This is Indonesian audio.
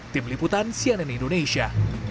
tim liputan cnn indonesia